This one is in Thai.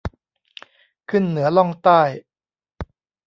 ขึ้นเหนือ ล่องใต้